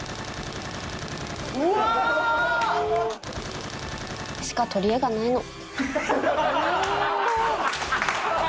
「うわー！」しか取り柄がないの。